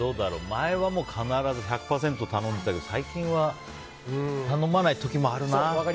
前は必ず、１００％頼んでたけど最近は頼まない時もあるな。